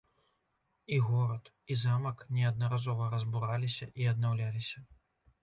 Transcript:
І горад, і замак неаднаразова разбураліся і аднаўляліся.